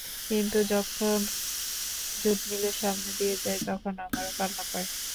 কিন্তু এখন যখন জুটমিলের সামনে দিয়ে যাই, তখন আমারও কান্না পায়।